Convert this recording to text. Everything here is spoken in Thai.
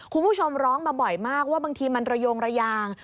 คุณผู้ชมร้องมาบ่อยมากว่าบางทีมันระโยงระยาง